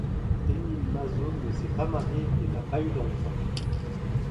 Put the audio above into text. Émile Mazaud ne s'est pas marié et n'a pas eu d'enfant.